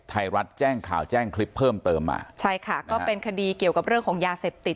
ไทยรัฐแจ้งข่าวแจ้งคลิปเพิ่มเติมมาใช่ค่ะก็เป็นคดีเกี่ยวกับเรื่องของยาเสพติด